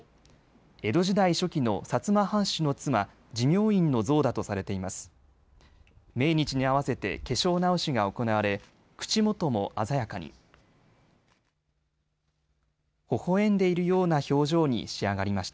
江戸時代初期の薩摩藩主の妻、持明院の像だとされています。